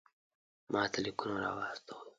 ماته لیکونه را واستوئ.